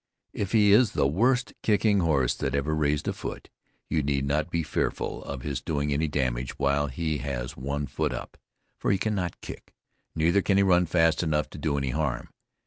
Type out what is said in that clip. If he is the worst kicking horse that ever raised a foot you need not be fearful of his doing any damage while he has one foot up, for he cannot kick, neither can he run fast enough to do any harm.